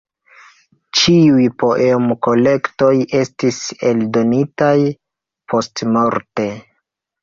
Ĉiuj poem-kolektoj estis eldonitaj postmorte.